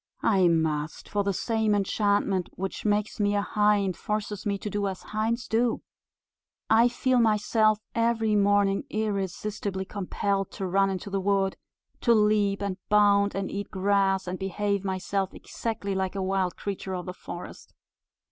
"I must; for the same enchantment which makes me a hind forces me to do as hinds do. I feel myself every morning irresistibly compelled to run into the wood, to leap and bound, and eat grass, and behave myself exactly like a wild creature of the forest.